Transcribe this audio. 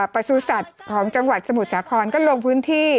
ประสูจัตว์ของจังหวัดสมุทรสาครก็ลงพื้นที่